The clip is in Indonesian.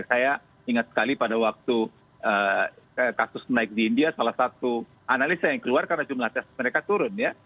saya ingat sekali pada waktu kasus naik di india salah satu analisa yang keluar karena jumlah tes mereka turun ya